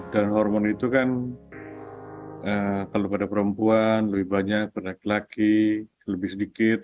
dan hormon itu kan kalau pada perempuan lebih banyak pada laki laki lebih sedikit